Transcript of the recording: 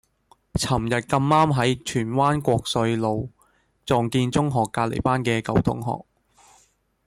噚日咁啱喺荃灣國瑞路撞見中學隔離班嘅舊同學